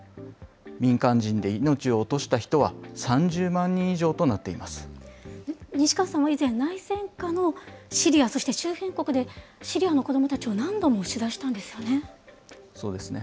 民間人で命を落とした人は３０万西河さんは以前、内戦下のシリア、そして周辺国で、シリアの子どもたちを何度も取材そうですね。